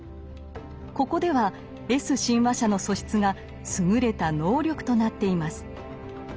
ここではＳ親和者の素質が優れた能力となっています。